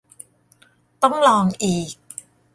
ต้องลองอีก